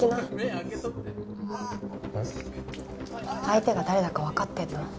相手が誰だかわかってんの？